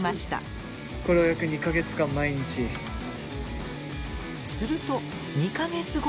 すると２か月後には。